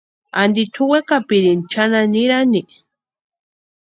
Anti tʼu wekapirini chʼanani nirani.